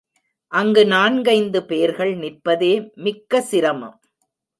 அங்குநான்கைந்து பேர்கள் நிற்பதே மிக்க சிரமம்.